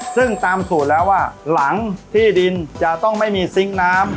ซึ่งตามสูตรแล้วว่าหลังที่ดินจะต้องไม่มีซิงค์น้ำ